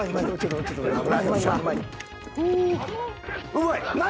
うまい！何！？